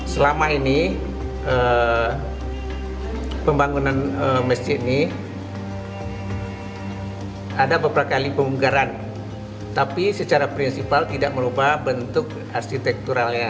selama ini pembangunan masjid ini ada beberapa kali pemunggaran tapi secara prinsipal tidak merubah bentuk arsitekturalnya